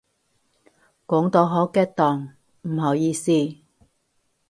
講到好激動，唔好意思